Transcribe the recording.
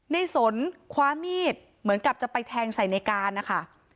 สนคว้ามีดเหมือนกับจะไปแทงใส่ในการนะคะ